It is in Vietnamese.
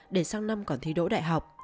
để sang năm còn thi đỗ đại học